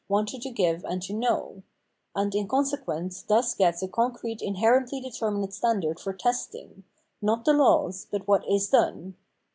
"* wanted to give and to know ; and in consequence tkus gets a concrete inherently determinate standard for " testing," not the laws, but what is done.